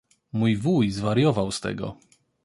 Mój wuj zwariował z tego.